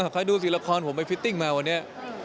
ใครดูสิละครผมไปฟิตติ้งมาวันนี้